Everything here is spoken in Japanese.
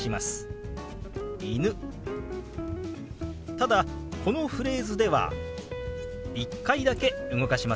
ただこのフレーズでは１回だけ動かしますよ。